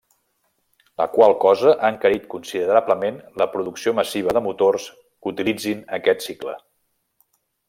La qual cosa ha encarit considerablement la producció massiva de motors que utilitzin aquest cicle.